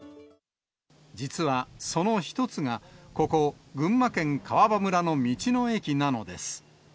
実は、その一つがここ、群馬県川場村の道の駅なのです。